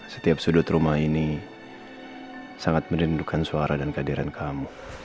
setiap sudut rumah ini sangat merindukan suara dan kehadiran kamu